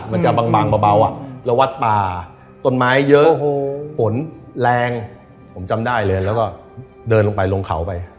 มันจะบางเบาอ่ะแล้ววัดป่าต้นไม้เยอะฝนแรงผมจำได้เลยแล้วก็เดินลงไปลงเขาไป